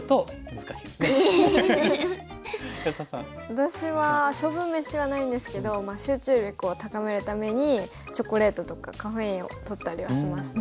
私は勝負めしはないんですけど集中力を高めるためにチョコレートとかカフェインをとったりはしますね。